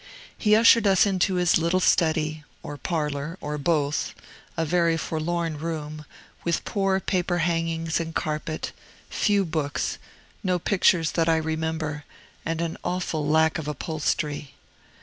He ushered us into his little study, or parlor, or both, a very forlorn room, with poor paper hangings and carpet, few books, no pictures that I remember, and an awful lack of upholstery.